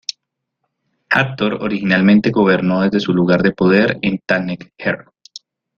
Hathor originalmente gobernó desde su lugar de poder en Ta-Netjer.